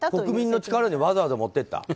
国民の力にわざわざ持っていった？